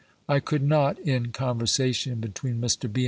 I could not, in conversation between Mr. B.